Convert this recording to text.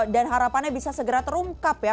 dan harapannya bisa segera terungkap ya